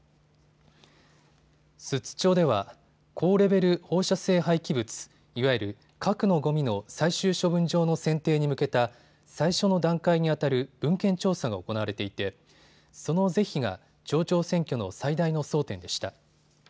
寿都町では高レベル放射性廃棄物、いわゆる核のごみの最終処分場の選定に向けた最初の段階にあたる文献調査が行われていてその是非が町長選挙の最大の争点でした。